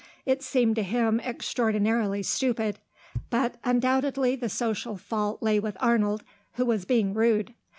It seemed to him extraordinarily stupid. But undoubtedly the social fault lay with Arnold, who was being rude.